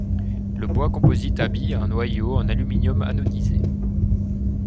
Le bois composite habille un noyau en aluminium anodisé.